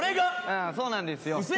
うんそうなんですよ